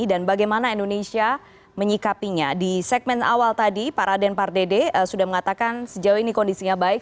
dan pak rd sudah mengatakan sejauh ini kondisinya baik